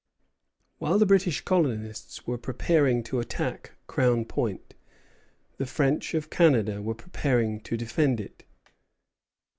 While the British colonists were preparing to attack Crown Point, the French of Canada were preparing to defend it.